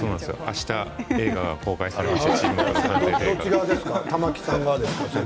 あした、映画が公開されます。